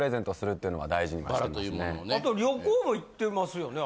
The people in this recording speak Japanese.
あと旅行も行ってますよね。